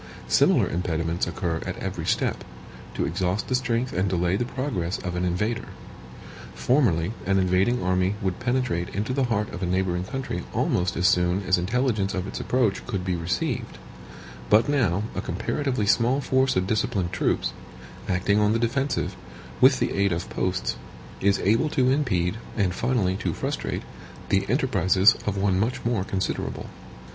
Similar impediments occur at every step, to exhaust the strength and delay the progress of an invader. Formerly, an invading army would penetrate into the heart of a neighboring country almost as soon as intelligence of its approach could be received; but now a comparatively small force of disciplined troops, acting on the defensive, with the aid of posts, is able to impede, and finally to frustrate, the enterprises of one much more considerable.